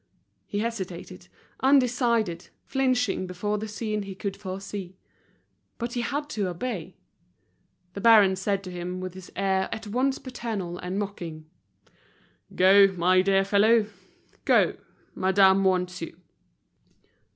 He hesitated, undecided, flinching before the scene he could foresee. But he had to obey. The baron said to him, with his air at once paternal and mocking, "Go, my dear fellow, go, madame wants you."